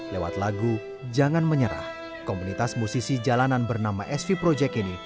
lewat lagu jangan menyerah komunitas musisi jalanan bernama sv project ini